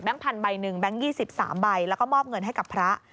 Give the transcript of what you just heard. พันใบหนึ่งแบงค์๒๓ใบแล้วก็มอบเงินให้กับพระ